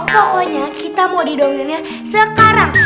pokoknya kita mau didongengnya sekarang